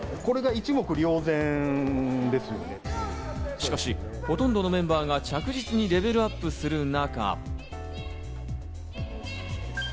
しかし、ほとんどのメンバーが着実にレベルアップする中。